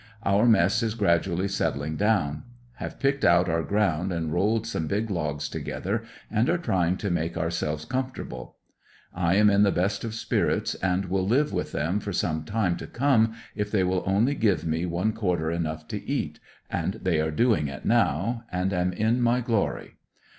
Our mess is gradually settling down. Have picked out our ground, rolled some big logs together, and are trying to make our selves comfortable. I am in the best of spirits, and will live with them for some time to come if they will only give me one quarter enough to eat, and they are doing it now, and am in my glory.